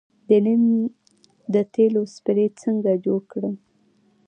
د نیم د تیلو سپری څنګه جوړ کړم؟